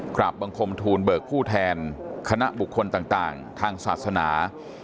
กราบบังคมทูลเบิกผู้แทนคณะบุคคลต่างทางศาสนา